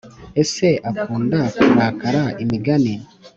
Ese akunda kurakara imigani